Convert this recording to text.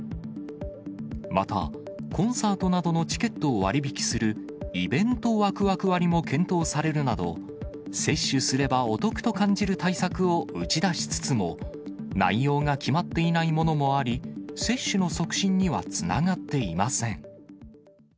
また、コンサートなどのチケットを割引する、イベントワクワク割も検討されるなど、接種すればお得と感じる対策を打ち出しつつも、内容が決まっていないものもあり、接種の促進にはつながっていません。